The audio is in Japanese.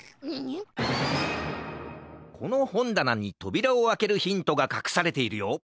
なにとびらをあけるヒントがかくされているよ。